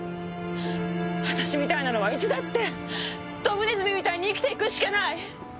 私みたいなのはいつだってドブネズミみたいに生きていくしかない！